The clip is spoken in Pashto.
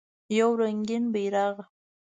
یو رنګین بیرغ